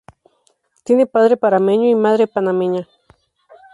Tiene padre panameño y madre panameña.